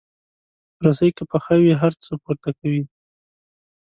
رسۍ که پخه وي، هر څه پورته کوي.